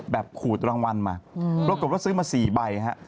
แบบขูดรางวัลมาโดยบอกว่าซื้อมา๔ใบนะฮะ